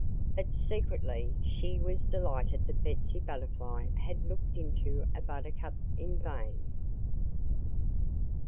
But secretly she was delighted that Betsy Butterfly had looked into a buttercup in vain.